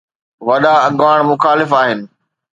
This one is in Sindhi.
وڏا اڳواڻ مخالف آهن.